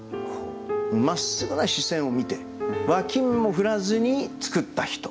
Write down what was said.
まっすぐな視線を見て脇目も振らずに作った人。